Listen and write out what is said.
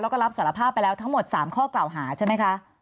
แล้วก็รับสารภาพไปแล้วทั้งหมด๓ข้อกล่าวหาใช่ไหมคะ